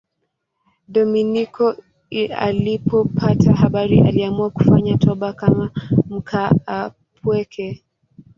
Dominiko alipopata habari aliamua kufanya toba kama mkaapweke.